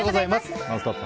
「ノンストップ！」